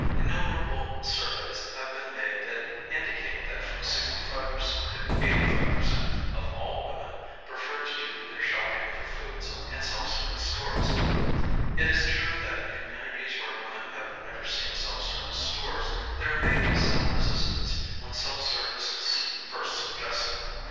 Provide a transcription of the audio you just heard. Innumerable surveys have been made that in dicate that from 65% to 85% of all women prefer to do their shop ping for foods in self service stores. It is true that in communities where women have never seen self service stores, there may be some resistance when self service is first suggested.